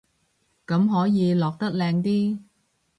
咁可以落得靚啲